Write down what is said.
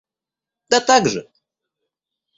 Да так же.